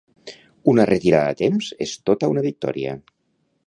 Una retirada a temps és tota una victòria